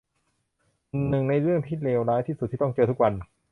หนึ่งในเรื่องที่เลวร้ายที่สุดที่ต้องเจอทุกวัน